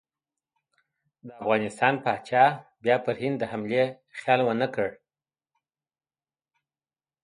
د افغانستان پاچا بیا پر هند د حملې خیال ونه کړي.